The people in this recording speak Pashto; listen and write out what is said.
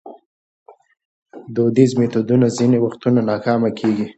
دودیز میتودونه ځینې وختونه ناکامه کېږي.